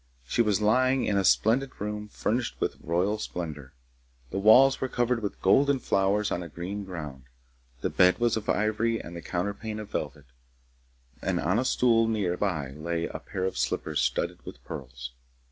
She was lying in a splendid room furnished with royal splendour; the walls were covered with golden flowers on a green ground; the bed was of ivory and the counterpane of velvet, and on a stool near by lay a pair of slippers studded with pearls.